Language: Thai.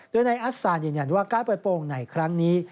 ด้วยในอัตสารยังยันว่าการเปิดโปร่งในครั้งนี้